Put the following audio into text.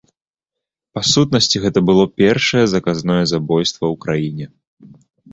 Па сутнасці гэта было першае заказное забойства ў краіне.